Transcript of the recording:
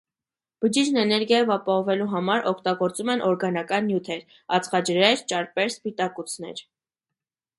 Բջիջն էներգիայով ապահովելու համար օգտագործում են օրգանական նյութեր՝ ածխաջրեր, ճարպեր, սպիտակուցներ։